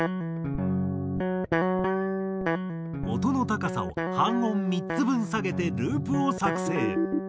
音の高さを半音３つ分下げてループを作成。